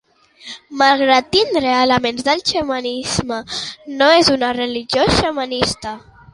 Malgrat tindre elements del xamanisme, no és una religió xamanista.